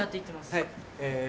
はい。